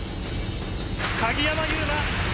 鍵山優真